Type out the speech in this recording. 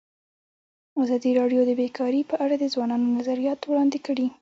ازادي راډیو د بیکاري په اړه د ځوانانو نظریات وړاندې کړي.